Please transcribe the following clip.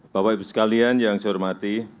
bapak ibu sekalian yang saya hormati